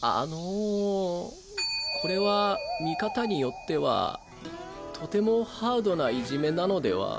あのこれは見方によってはとてもハードないじめなのでは？